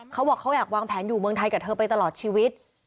เขาบอกเขาอยากวางแผนอยู่เมืองไทยกับเธอไปตลอดชีวิต